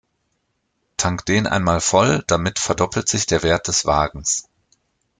Tank den einmal voll, damit verdoppelt sich der Wert des Wagens.